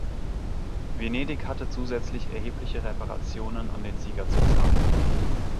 Venedig hatte zusätzlich erhebliche Reparationen an den Sieger zu zahlen.